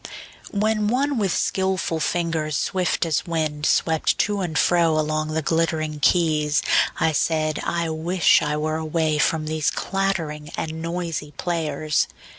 WHEN one with skillful fingers swift as wind Swept to and fro along the glittering keys, I said: I wish I were away from these Clattering and noisy players!